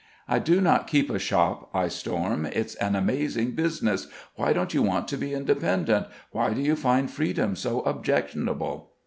"I do not keep a shop," I storm. "It's an amazing business! Why don't you want to be independent? Why do you find freedom so objectionable?"